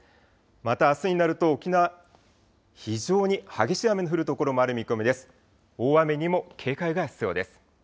またあすになると沖縄、非常に激しい雨の降る所もある見込みです。